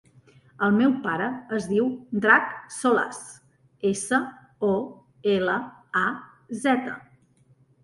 El meu pare es diu Drac Solaz: essa, o, ela, a, zeta.